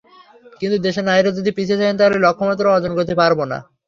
কিন্তু দেশের নারীরা যদি পিছিয়ে থাকেন, তাহলে লক্ষ্যমাত্রা অর্জন করতে পারব না।